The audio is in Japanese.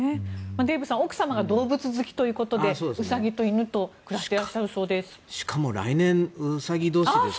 デーブさん奥様が動物好きということでウサギと犬と暮らしていらっしゃるそうです。